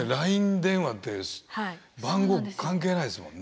電話って番号関係ないですもんね。